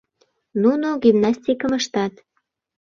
Нуно гимнастикым ыштат.